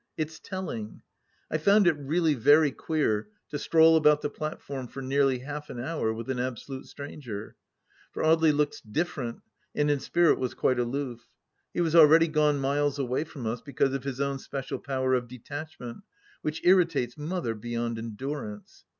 It's telling. I found it really very queer, to stroll about the platform for nearly half an hour with an absolute stranger. For Audely looked different, and in spirit was quite aloof. He was already gone mUes away from us, because of his own special power of detachment, which irritates Mother beyond endurance.